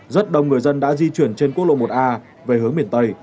rất đông người dân đã di chuyển trên quốc lộ một a về hướng miền tây